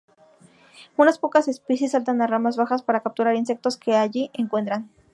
Unas pocas especies saltan a ramas bajas para capturar insectos que allí encuentran.